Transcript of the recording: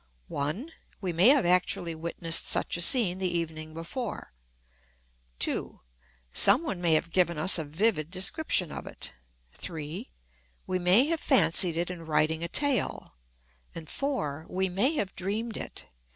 1. We may have actually witnessed such a scene the evening before. 2. Some one may have given us a vivid description of it. 3. We may have fancied it in writing a tale, and 4. We may have dreamed it.